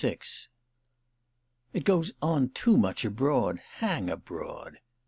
98VI "It goes on too much abroad—hang abroad!"